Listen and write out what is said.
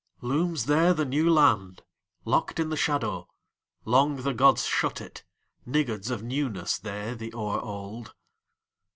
Looms there the New Land:Locked in the shadowLong the gods shut it, Niggards of newnessThey, the o'er old.